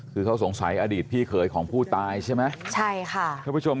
คือเขาสงสัยอดีตพี่เคยของผู้ตายใช่ไหม